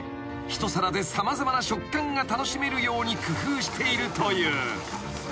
一皿で様々な食感が楽しめるように工夫しているという］